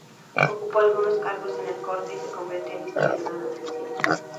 Ocupó algunos cargos en la corte y se convirtió en historiador oficial.